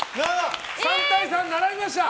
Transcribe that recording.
３対３、並びました。